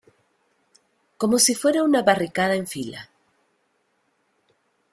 como si fuera una barricada, en fila.